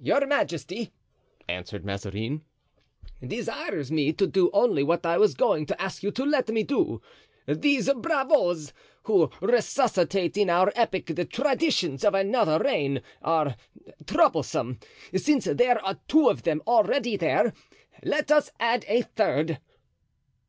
"Your majesty," answered Mazarin, "desires me to do only what I was going to ask you to let me do. These bravoes who resuscitate in our epoch the traditions of another reign are troublesome; since there are two of them already there, let us add a third."